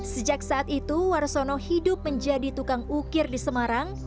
sejak saat itu warsono hidup menjadi tukang ukir di semarang